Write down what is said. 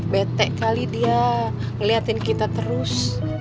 betek kali dia ngeliatin kita terus